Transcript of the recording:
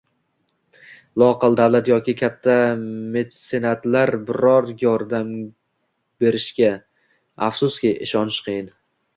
loaqal davlat yoki katta metsenatlar biror yordam berishiga, afsuski, ishonish qiyin.